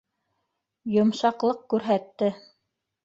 Йомшаҡлыҡ күрһәтте.